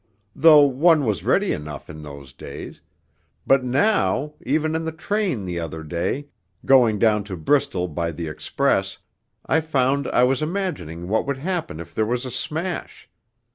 ... though one was ready enough in those days ... but now even in the train the other day, going down to Bristol by the express, I found I was imagining what would happen if there was a smash